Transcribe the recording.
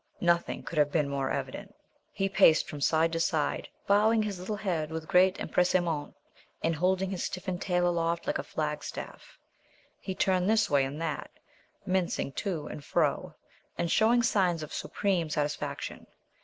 Nothing could have been more evident. He paced from side to side, bowing his little head with great empressement and holding his stiffened tail aloft like a flagstaff. He turned this way and that, mincing to and fro, and showing signs of supreme satisfaction.